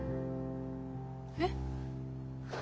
えっ？